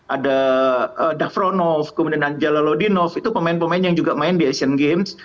ada davronov kemudian ada jalalodinov itu pemain pemain yang juga main di asian games